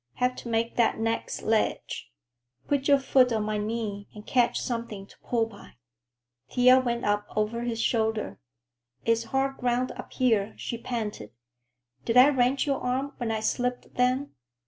Have to make that next ledge. Put your foot on my knee and catch something to pull by." Thea went up over his shoulder. "It's hard ground up here," she panted. "Did I wrench your arm when I slipped then?